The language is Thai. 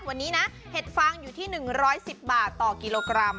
วันนี้นะเห็ดฟางอยู่ที่๑๑๐บาทต่อกิโลกรัม